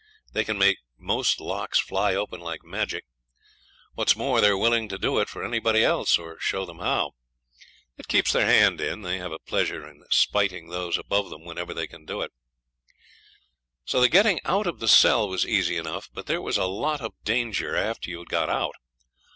They can make most locks fly open like magic; what's more, they're willing to do it for anybody else, or show them how. It keeps their hand in; they have a pleasure in spiting those above them whenever they can do it. The getting out of the cell was easy enough, but there was a lot of danger after you had got out.